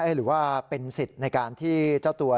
หรือว่าเป็นสิทธิ์ในการที่เจ้าตัว